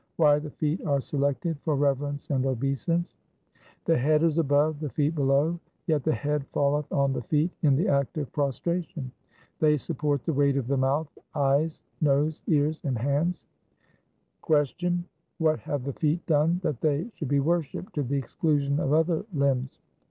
3 Why the feet are selected for reverence and obeisance :— The head is above, the feet below, yet the head falleth on the feet in the act of prostration. They support the weight of the mouth, eyes, nose, ears, and hands. Q. What have the feet done that they should be worshipped to the exclusion of other limbs